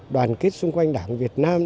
đoàn kết xung quanh đảng việt nam